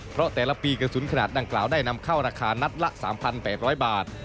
เพราะแต่ละปีกระสุนขนาดดังกล่าวได้นำเข้าราคานัดละ๓๘๐๐บาท